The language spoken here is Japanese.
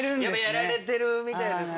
やられてるみたいですね。